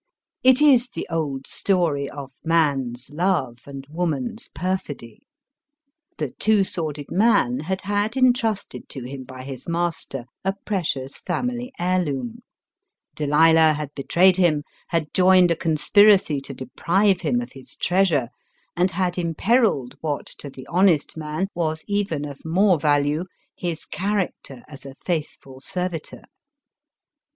It is the old story of man's love and woman's perfidy. The Two Sworded Man had had entrusted to him by his master a precious family heirloom ; Delilah had betrayed him, had joined a conspiracy to deprive him of his treasure, and had imperilled what to the honest man was even of more value, his character as a faithful servitor.